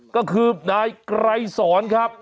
ก็คือนายไกรสอนครับ